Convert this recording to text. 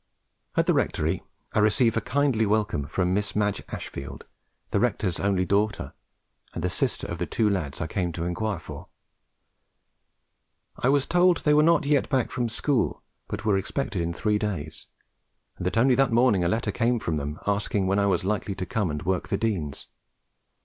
At the Rectory I received a kindly welcome from Miss Madge Ashfield, the rector's only daughter and the sister of the two lads I came to enquire for; and I was told that they were not yet back from school, but were expected in three days, and that only that morning a letter came from them asking when I was likely to come and work the Denes.